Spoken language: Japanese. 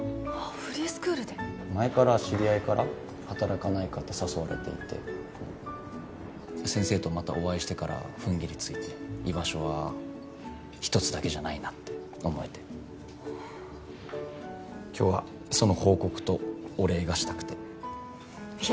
フリースクールで前から知り合いから働かないかって誘われていて先生とまたお会いしてからふんぎりついて居場所は一つだけじゃないなって思えて今日はその報告とお礼がしたくていえ